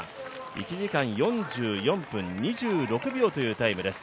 １時間２４分２６秒というタイムです。